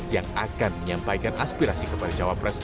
yang akan menyampaikan aspirasi kepada jawa press